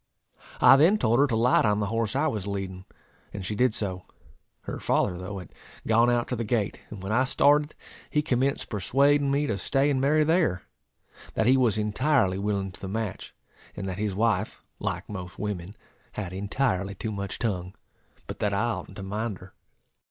I then told her to light on the horse I was leading; and she did so. Her father, though, had gone out to the gate, and when I started he commenced persuading me to stay and marry there; that he was entirely willing to the match, and that his wife, like most women, had entirely too much tongue; but that I oughtn't to mind her.